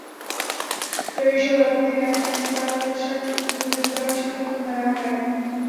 জরুরি সভায় অপর তিন আইনজীবীকে কারণ দর্শানোর নোটিশ দেওয়ার সিদ্ধান্তও হয়।